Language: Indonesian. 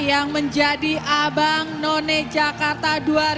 yang menjadi abang none jakarta